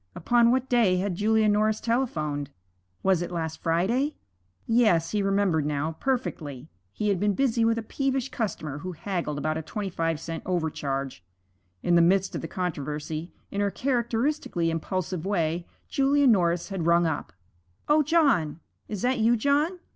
Upon what day had Julia Norris telephoned? Was it last Friday? Yes, he remembered now, perfectly. He had been busy with a peevish customer who haggled about a twenty five cent overcharge. In the midst of the controversy, in her characteristically impulsive way, Julia Norris had rung up: 'O John! is that you, John?